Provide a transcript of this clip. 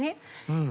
うん。